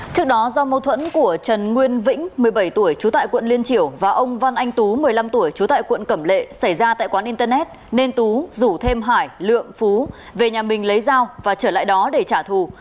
trước đó do mâu thuẫn của trần nguyên vĩnh một mươi bảy tuổi trú tại quận liên triểu và ông văn anh tú một mươi năm tuổi trú tại quận cẩm lệ xảy ra tại quán internet nên tú rủ thêm hải lượng phú về nhà mình lấy dao và trở lại đó để trả thù